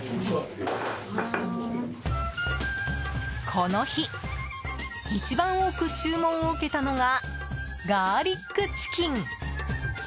この日一番多く注文を受けたのがガーリックチキン。